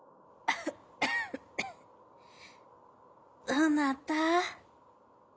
「どなた？」。